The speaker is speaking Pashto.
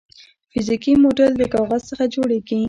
فزیکي موډل د کاغذ څخه جوړیږي.